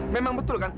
memang betul kan